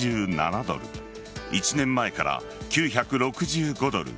１年前から９６５ドル